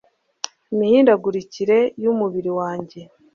imihindukirire y umubiri wanjye